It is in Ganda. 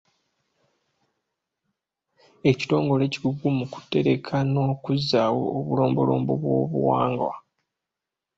Ekitongole kikugu mu kutereka n'okuzzaawo obulombolombo bw'obuwangwa.